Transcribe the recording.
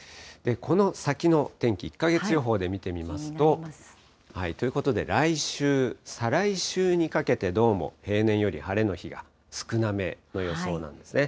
この先の天気、１か月予報で見てみますと、ということで、来週、再来週にかけて、どうも平年より晴れの日が少なめの予想なんですね。